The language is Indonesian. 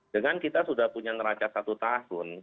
dengan kita sudah punya neraca satu tahun